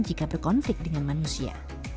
jika berkonflik dengan manusia